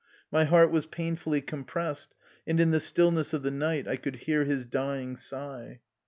My heart was painfully compressed, and in the stillness of the night I could hear his dying sigh.